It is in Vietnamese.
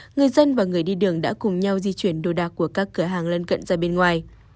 người dân và người đi đường đã cùng nhau di chuyển đồ đạc của các cửa hàng lân cận ra bên ngoài